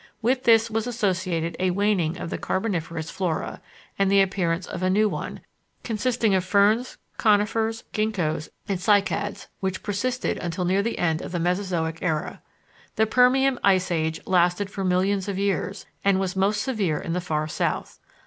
With this was associated a waning of the Carboniferous flora, and the appearance of a new one, consisting of ferns, conifers, ginkgos, and cycads, which persisted until near the end of the Mesozoic era. The Permian Ice Age lasted for millions of years, and was most severe in the Far South.